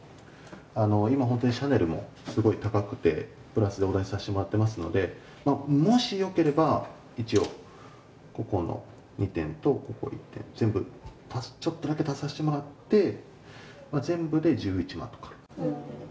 今、本当にシャネルもすごい高くて、プラスでお出しさせてもらってますので、もしよければ一応、ここの２点とここ１点、全部、ちょっとだけ足させてもらって、全部で１１万円とか。